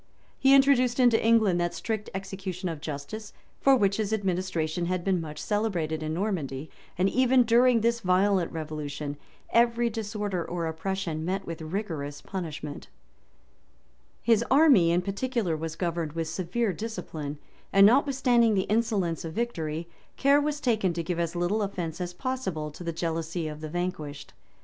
] He introduced into England that strict execution of justice, for which his administration had been much celebrated in Normandy; and even during this violent revolution, every disorder or oppression met with rigorous punishment.[*] [* Gul. Pict. p. 208. Order, Vitalis, p. 506.] His army in particular was governed with severe discipline; and notwithstanding the insolence of victory, care was taken to give as little offence as possible to the jealousy of the vanquished.